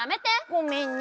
ごめんね。